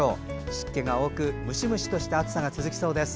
湿気が多く、ムシムシとした暑さが続きそうです。